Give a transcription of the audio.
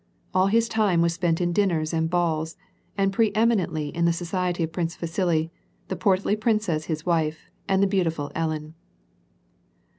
All his time was spent in dinners and V)alls, and pre eminently in the society of Prince Vasili, the portly princess, his wife, and the beautiful Ellen.